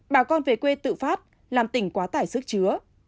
bà con về quê tự phát làm tỉnh quá tải sức chứa